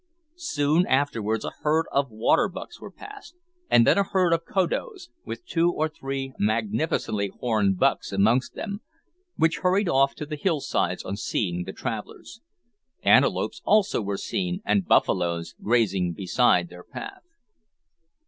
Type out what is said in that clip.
Soon afterwards a herd of waterbucks were passed, and then a herd of koodoos, with two or three magnificently horned bucks amongst them, which hurried off to the hillsides on seeing the travellers. Antelopes also were seen, and buffaloes, grazing beside their path.